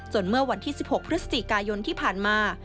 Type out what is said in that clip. เมื่อวันที่๑๖พฤศจิกายนที่ผ่านมา